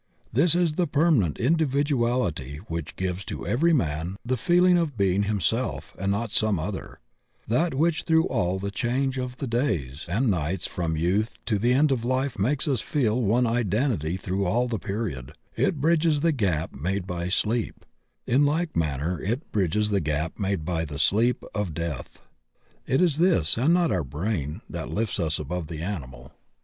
This is the permanent individuality which gives to every man the feeling of being himsefr and not some other; that which through all the changes of the days and nights from youth to the end of life makes us feel one identity through all the period; it bridges the gap made by sleep; in like manner it bridges the gap made by the sleep of S8 THE OCEAN OF THEOSOPHY death. It is this, and not our brain, that lifts iis above the animal.